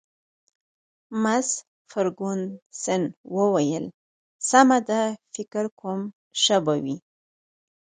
مس فرګوسن وویل: سمه ده، فکر کوم ښه به وي.